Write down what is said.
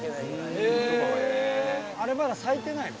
あれまだ咲いてないの？